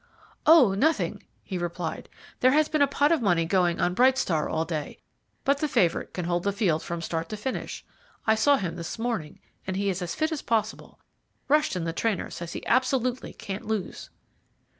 "Oh, nothing," he replied; "there has been a pot of money going on Bright Star all day, but the favourite can hold the field from start to finish. I saw him this morning, and he is as fit as possible. Rushton, the trainer, says he absolutely can't lose."